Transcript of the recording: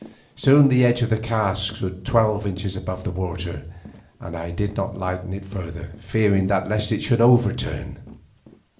Soon the edge of the cask stood twelve inches above the water, and I did not lighten it further, fearing lest it should overturn.